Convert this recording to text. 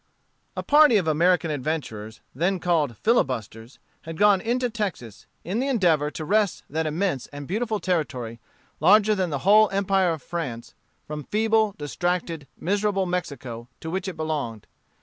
A party of American adventurers, then called filibusters, had gone into Texas, in the endeavor to wrest that immense and beautiful territory, larger than the whole Empire of France, from feeble, distracted, miserable Mexico, to which it belonged.